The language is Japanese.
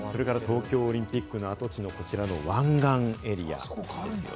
それから東京オリンピックの跡地のこちら湾岸エリア。